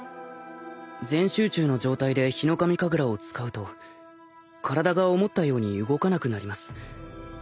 全集中の状態でヒノカミ神楽を使うと体が思ったように動かなくなります。